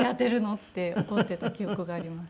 って怒っていた記憶があります。